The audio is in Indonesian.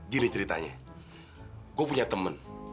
gini ceritanya gue punya temen